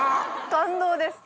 感動です